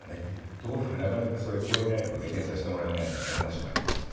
ところがなかなかそれを超えないので検査してもらえないという話もありましたよね。